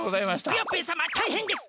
クヨッペンさまたいへんです！